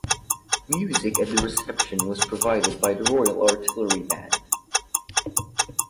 Music at the reception was provided by the Royal Artillery Band.